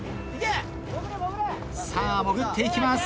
さあ潜っていきます。